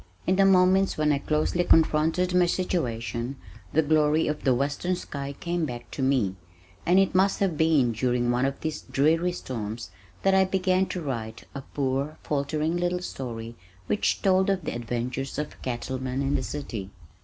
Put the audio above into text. In the moments when I closely confronted my situation the glory of the western sky came back to me, and it must have been during one of these dreary storms that I began to write a poor faltering little story which told of the adventures of a cattleman in the city.